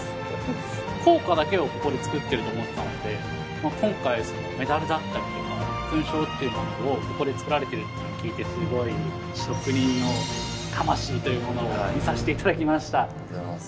硬貨だけをここで造ってると思ってたので今回メダルだったりとか勲章というものをここで造られてるっていうのを聞いてすごい職人の魂というものを見させて頂きました。